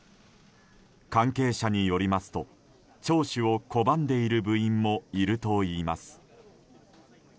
関係者によりますと聴取を拒んでいる部員もいるといいます。